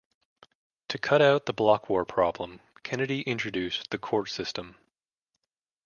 To cut out the block war problem, Kennedy introduced the court system.